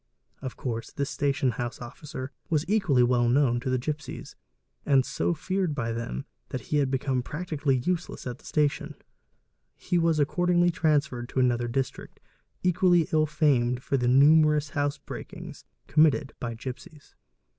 Of course this station Biba FR Ee BLT house officer was equally well known to the gipsies, and so feared by them that he had become practically useless at that station... "He was accordingly transferred to another district equally ill famed for the numerous house breakings committed by gipsies.